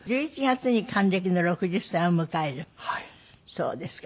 そうですか。